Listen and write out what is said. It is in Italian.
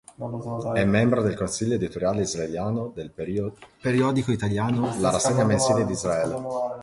È membro del "Consiglio editoriale israeliano" del periodico italiano "La rassegna mensile di Israel".